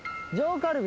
カルビ。